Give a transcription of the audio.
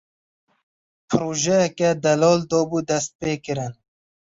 Projeyeke delal dabû destpêkirin.